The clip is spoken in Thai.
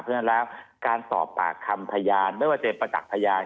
เพราะฉะนั้นแล้วการสอบปากคำพยานไม่ว่าจะเป็นประจักษ์พยาน